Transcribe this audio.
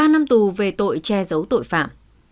ba năm tù về tội che giấu tội phạm